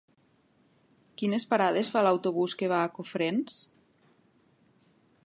Quines parades fa l'autobús que va a Cofrents?